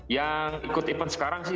yang ikut event sekarang sih